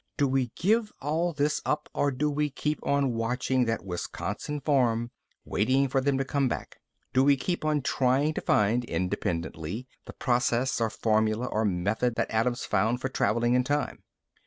Do we give all this up or do we keep on watching that Wisconsin farm, waiting for them to come back? Do we keep on trying to find, independently, the process or formula or method that Adams found for traveling in time?"